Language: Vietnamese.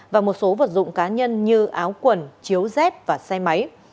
và một số vật dụng cá nhân như áo quần chiếu z và xe máy